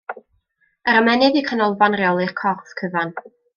Yr ymennydd yw canolfan reoli'r corff cyfan.